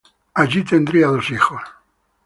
Allí tendría dos hijos.